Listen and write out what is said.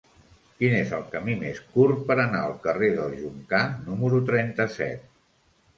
Quin és el camí més curt per anar al carrer del Joncar número trenta-set?